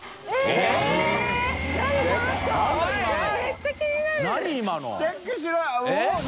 えっ！？